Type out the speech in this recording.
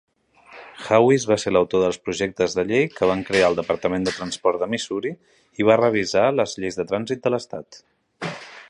Hawes va ser l'autor dels projectes de llei que van crear el Departament de Transport de Missouri i va revisar les lleis de trànsit de l'estat.